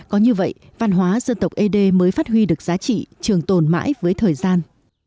có như vậy văn hóa dân tộc ế đê mới phát huy được giá trị trường tồn mãi với thời gian